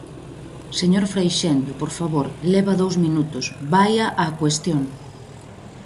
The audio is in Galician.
Señor Freixendo, por favor, leva dous minutos, ¡vaia á cuestión!